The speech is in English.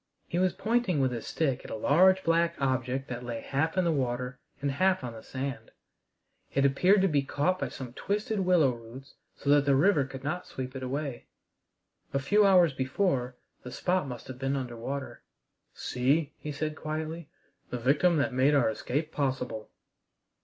He was pointing with his stick at a large black object that lay half in the water and half on the sand. It appeared to be caught by some twisted willow roots so that the river could not sweep it away. A few hours before the spot must have been under water. "See," he said quietly, "the victim that made our escape possible!"